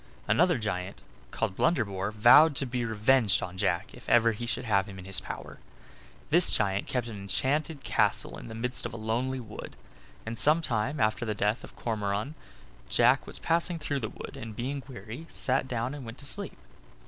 Another giant, called Blunderbore, vowed to be revenged on Jack if ever he should have him in his power. This giant kept an enchanted castle in the midst of a lonely wood; and some time after the death of Cormoran Jack was passing through a wood, and being weary, sat down and went to sleep.